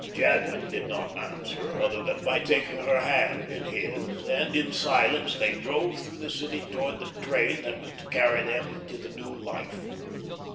Jadwin did not answer other than by taking her hand in his, and in silence they drove through the city towards the train that was to carry them to the new life.